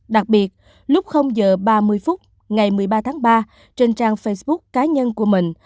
đặc biệt lúc h ba mươi phút ngày một mươi ba tháng ba trên trang facebook cá nhân của mình